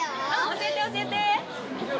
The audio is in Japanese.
教えて、教えて。